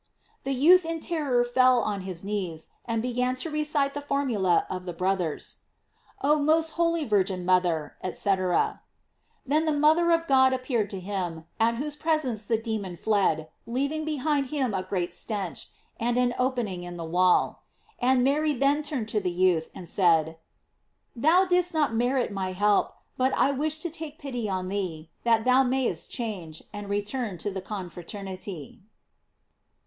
The youth in terror fell on his knees, and began to recite the formula of the brothers: "Oh most holy Virgin mother," &c. Then the mother of God appeared to him, at whose presence the demon fled, leaving behind him a. great stench, and an opening in the wall. And Mary then turned to the youth, and said: "Thou didst not merit my help, but I wish to take pity on thee, that thou mayest change, and return to the confraternity."